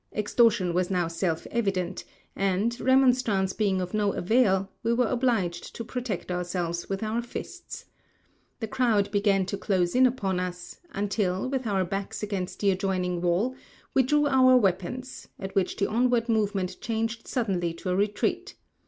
Extortion was now self evident, and, remonstrance being of no avail, we were obliged to protect ourselves with our fists. The crowd began to close in upon us, until, with our backs against the adjoining wall, we drew our weapons, at which the onward movement changed suddenly to a retreat.